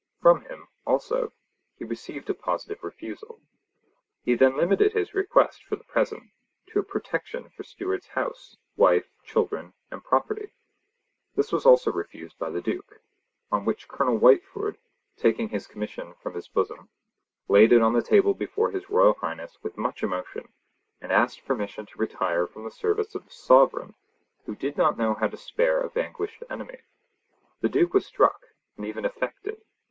From him, also, he received a positive refusal. He then limited his request, for the present, to a protection for Stewart's house, wife, children, and property. This was also refused by the Duke; on which Colonel Whitefoord, taking his commission from his bosom, laid it on the table before his Royal Highness with much emotion, and asked permission to retire from the service of a sovereign who did not know how to spare a vanquished enemy. The Duke was struck, and even affected.